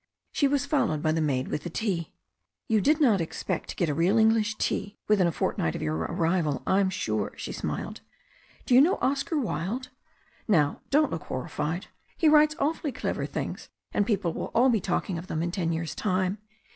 She was followed by the maid with the tea. 48 THE STORY OF A NEW ZEALAND RIVER "You did not expect to get a real English tea within a fortnight of your arrival, Vm sure/' she smiled. "Do you know Oscar Wilde? Now don't look horrified. He writes awfully clever things, and people will all be talking of them in ten years' time.